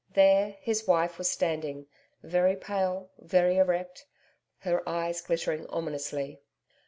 There, his wife was standing, very pale, very erect, her eyes glittering ominously.